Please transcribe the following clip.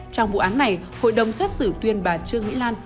trong vụ án này hội đồng xét xử tuyên bà trương mỹ lan